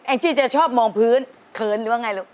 จี้จะชอบมองพื้นเขินหรือว่าไงลูก